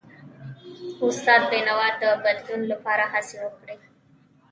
استاد بینوا د بدلون لپاره هڅې وکړي.